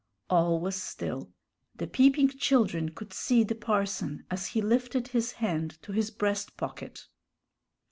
All was still. The peeping children could see the parson as he lifted his hand to his breast pocket.